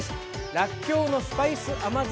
らっきょうのスパイス甘酢